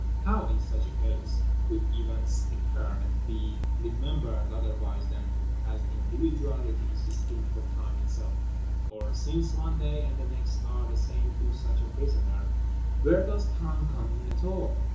How, in such a case, could events occur and be remembered otherwise than as individualities distinct from Time Itself? Or, since one day and the next are the same to such a prisoner, where does Time come in at all?